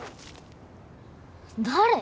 誰？